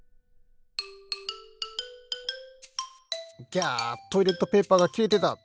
ギャトイレットペーパーがきれてた！